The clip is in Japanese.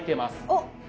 おっ。